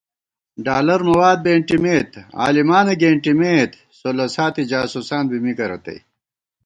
ڈالر مواد بېنٹی مېت، عالِمانہ گېنٹِمېت، سولہ ساتی جاسوسان بی مِکہ رتئ